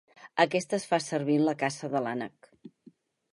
Aquesta es fa servir en la caça de l'ànec.